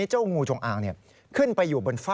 เจ้างูจงอางเนี่ยขึ้นไป